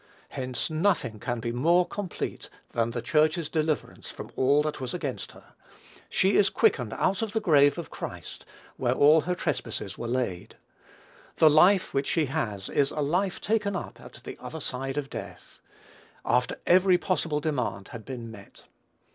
Hence, nothing can be more complete than the Church's deliverance from all that was against her. She is quickened out of the grave of Christ, where all her trespasses were laid. The life which she has is a life taken up at the other side of death, after every possible demand had been met.